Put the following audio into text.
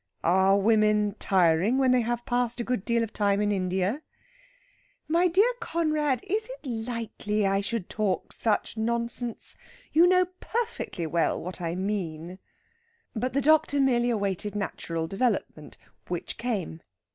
"Are women tiring when they have passed a good deal of time in India?" "My dear Conrad, is it likely I should talk such nonsense? You know perfectly well what I mean." But the doctor merely awaited natural development, which came.